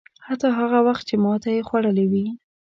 حتی هغه وخت چې ماته یې خوړلې وي.